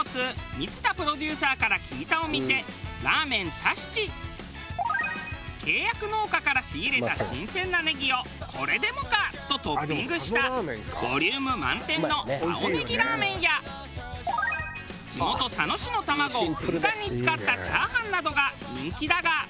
満田プロデューサーから聞いたお店契約農家から仕入れた新鮮なねぎをこれでもか！とトッピングしたボリューム満点の青ねぎラーメンや地元佐野市の卵をふんだんに使ったチャーハンなどが人気だが。